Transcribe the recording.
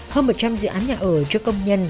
hơn một trăm linh dự án nhà ở cho công nhân